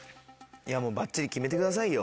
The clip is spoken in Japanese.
いやもうばっちり決めてくださいよ。